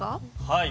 はい。